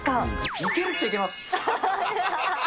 行けるっちゃいけます！